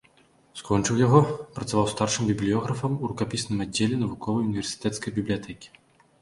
Скончыў яго, працаваў старшым бібліёграфам ў рукапісным аддзеле навуковай універсітэцкай бібліятэкі.